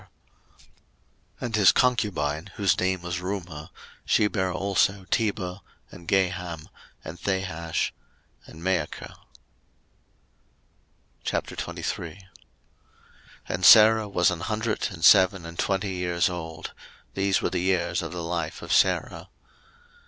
01:022:024 And his concubine, whose name was Reumah, she bare also Tebah, and Gaham, and Thahash, and Maachah. 01:023:001 And Sarah was an hundred and seven and twenty years old: these were the years of the life of Sarah.